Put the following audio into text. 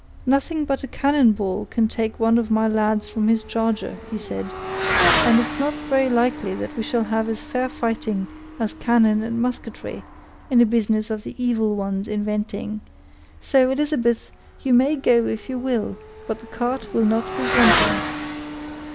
"Nothing but a cannon ball can take one of my lads from his charger," he said; "and it's not very likely that we shall have as fair fighting as cannon and musketry, in a business of the evil one's inventing; so, Elizabeth, you may go if you will, but the cart will not be wanting."